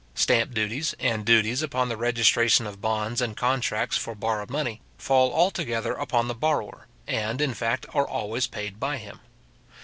Stamp duties, and duties upon the registration of bonds and contracts for borrowed money, fall altogether upon the borrower, and, in fact, are always paid by him.